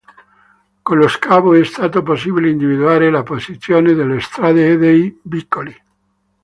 Con lo scavo è stato possibile individuare la posizione delle strade e dei vicoli.